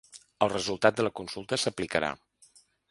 El resultat de la consulta s’aplicarà.